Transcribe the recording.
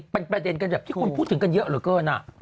เป็นประเด็นที่คุณพูดถึงกันเยอะเหรอเกิน